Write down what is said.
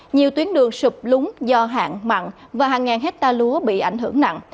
nhiều tuyến đường sụp lúng do hạn mặn và hàng ngàn hecta lúa bị ảnh hưởng nặng